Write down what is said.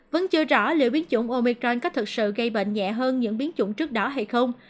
vẫn chưa rõ liệu biến chủng omicron có thực sự gây bệnh nhẹ hơn những biến chủng trước đó hay không